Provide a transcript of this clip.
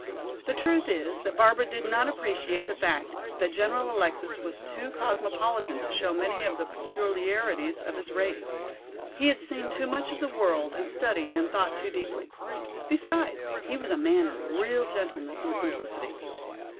The truth is that Barbara did not appreciate the fact that General Alexis was too cosmopolitan to show many of the peculiarities of his race. He had seen too much of the world and studied and thought too deeply. Besides, he was a man of real gentleness and simplicity.